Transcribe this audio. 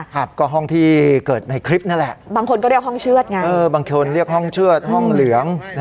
ครับก็ห้องที่เกิดในคลิปนั่นแหละบางคนก็เรียกห้องเชือดไงบางคนเรียกห้องเชือดห้องเหลือง